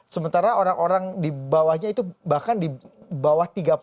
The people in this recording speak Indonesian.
sementara orang orang di bawahnya itu bahkan di bawah tiga puluh